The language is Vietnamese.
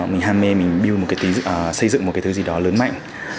mình ham mê mình build một cái thứ gì đó lớn mạnh